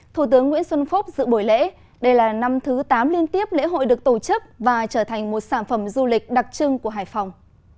thủ tướng nguyễn xuân phúc dự bổi lễ đây là năm thứ tám liên tiếp lễ hội được tổ chức và trở thành một sản phẩm du lịch đặc trưng của hải phòng